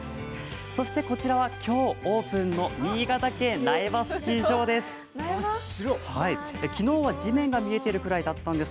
そしてこちらは今日オープンの新潟県苗場スキー場です。